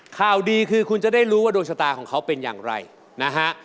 ข่าวดีคือคุณจะได้รู้ว่าดวงชะตาของเขาเป็นอย่างไรนะฮะ